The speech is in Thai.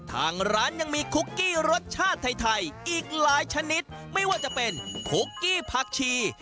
ทางร้านยังมีคุกกี้รสชาติไทยอีกหลายชนิดไม่ว่าจะเป็นคุกกี้ผักชี